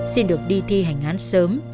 xin được đi thi hành án sớm